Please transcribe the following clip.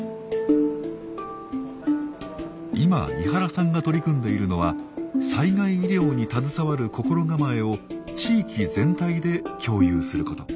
今井原さんが取り組んでいるのは災害医療に携わる心構えを地域全体で共有すること。